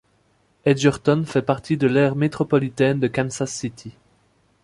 Edgerton fait partie de l'aire métropolitaine de Kansas City.